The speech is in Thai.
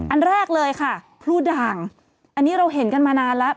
อันแรกเลยค่ะพลูด่างอันนี้เราเห็นกันมานานแล้ว